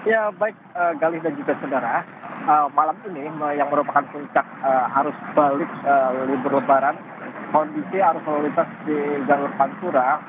ya baik galih dan juga saudara malam ini yang merupakan puncak arus balik libur lebaran kondisi arus lalu lintas di jalur pantura